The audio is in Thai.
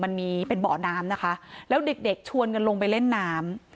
มันมีเป็นเบาะน้ำนะคะแล้วเด็กเด็กชวนกันลงไปเล่นน้ำ